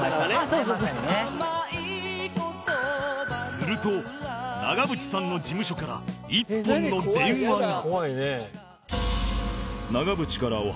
すると長渕さんの事務所から１本の電話が